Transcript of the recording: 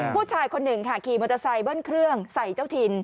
ผู้ชายคนหนึ่งค่ะขี่มอเตอร์ไซค์เบิ้ลเครื่องใส่เจ้าถิ่น